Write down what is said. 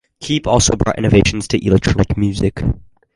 Keep also brought innovations to electronic music.